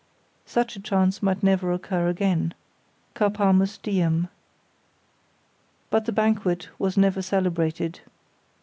Such a chance might never occur again—carpamus diem. But the banquet was never celebrated.